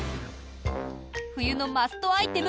冬のマストアイテム